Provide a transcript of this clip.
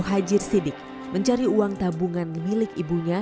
ahmad muhajir siddiq mencari uang tabungan milik ibunya